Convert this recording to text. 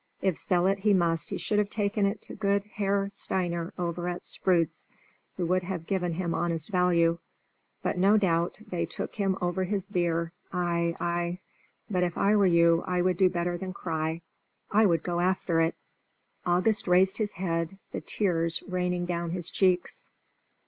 If sell it he must, he should have taken it to good Herr Steiner over at Sprüz, who would have given him honest value. But no doubt they took him over his beer, ay, ay! but if I were you I would do better than cry. I would go after it." August raised his head, the tears raining down his cheeks.